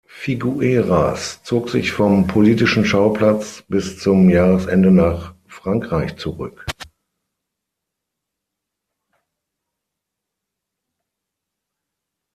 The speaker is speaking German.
Figueras zog sich vom politischen Schauplatz bis zum Jahresende nach Frankreich zurück.